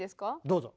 どうぞ。